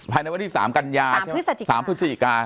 พาดพางที่๓กัญญา๓พฤศจิกา